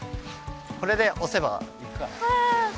これで押せば行くから。